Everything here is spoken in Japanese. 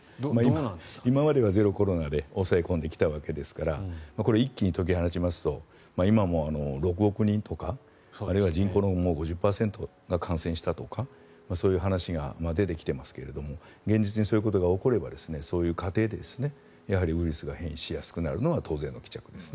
今まではゼロコロナで抑え込んできたわけですからこれ、一気に解き放ちますと今の６億人とかあるいは人口の５０％が感染したとかそういう話が出てきていますが現実にそういうことが起こればそういう過程でやはりウイルスが変異しやすくなるのは当然の帰着ですね。